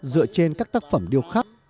dựa trên các tác phẩm điêu khắp